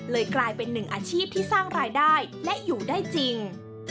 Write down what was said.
กลายเป็นหนึ่งอาชีพที่สร้างรายได้และอยู่ได้จริง